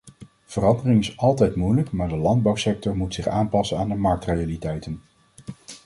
Verandering is altijd moeilijk, maar de landbouwsector moet zich aanpassen aan de marktrealiteiten.